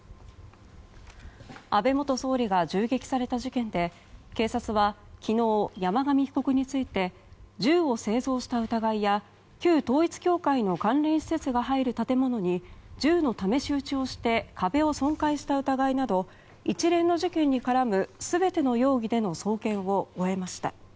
安倍元総理が銃撃された事件で警察は昨日、山上被告について銃を製造した疑いや旧統一教会の関連施設が入る建物に銃の試し撃ちをして壁を損壊した疑いなど一連の事件に絡む全ての容疑での送検を終えました。